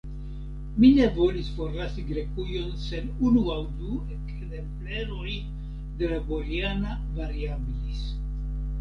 Mi ne volis forlasi Grekujon sen unu aŭ du ekzempleroj de la _Boriana variabilis_.